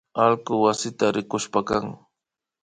Allku wasita rikushpakan